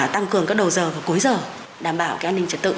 tăng cường các đầu giờ và cuối giờ đảm bảo an ninh trật tự